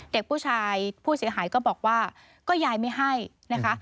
เด็กผู้ชายผู้เสียหายก็บอกว่าก็ยายไม่ให้นะคะ